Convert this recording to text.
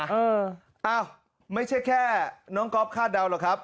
เอออ้าวไม่ใช่แค่น้องก๊อฟคาดเดาหรอกครับ